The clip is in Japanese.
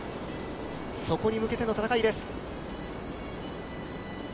そこに向けての戦いです。